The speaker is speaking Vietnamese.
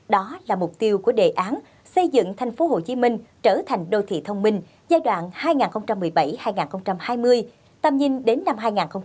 đó là mục tiêu của đề án xây dựng thành phố hồ chí minh trở thành đô thị thông minh giai đoạn hai nghìn một mươi bảy hai nghìn hai mươi tầm nhìn đến năm hai nghìn hai mươi năm